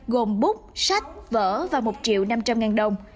gồm bút sách vở và một triệu năm trăm linh ngàn đồng